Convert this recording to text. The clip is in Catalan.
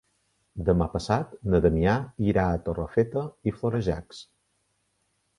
Demà passat na Damià irà a Torrefeta i Florejacs.